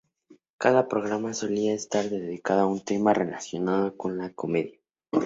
Cada programa solía estar dedicado a un tema relacionado con la comedia.